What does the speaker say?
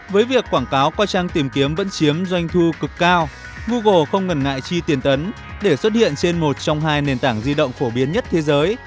với việc quảng cáo qua trang tìm kiếm vẫn chiếm doanh thu cực cao google không ngần ngại chi tiền tấn để xuất hiện trên một trong hai nền tảng di động phổ biến nhất thế giới